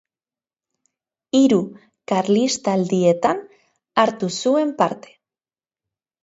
Hiru karlistaldietan hartu zuen parte.